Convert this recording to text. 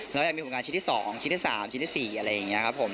แล้วจะมีผลงานชิ้นที่๒ชิ้นที่๓ชิ้นที่๔อะไรอย่างนี้ครับผม